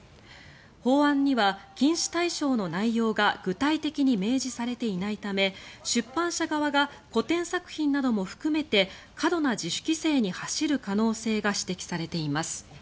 法案には禁止対象の内容が具体的に明示されていないため出版社側が古典作品なども含めて過度な自主規制に走る可能性が指摘されています。